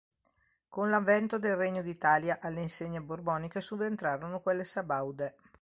Con l'avvento del Regno d'Italia alle insegne borboniche subentrarono quelle sabaude.